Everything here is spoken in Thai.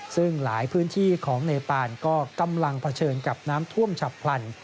ซึ่งหลายพื้นที่ของเนปานก็กำลังเผชิญกับน้ำท่วมฉับพลัน